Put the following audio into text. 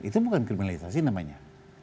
itu bukan kriminalisasi namanya